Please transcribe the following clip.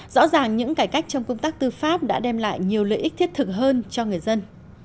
rõ ràng những cải cách trong công tác tư pháp đã đem lại nhiều lợi ích thiết thực hơn cho người dân